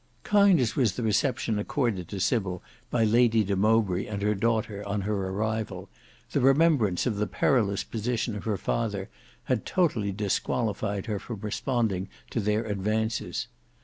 Kind as was the reception accorded to Sybil by Lady de Mowbray and her daughter on her arrival, the remembrance of the perilous position of her father had totally disqualified her from responding to their advances.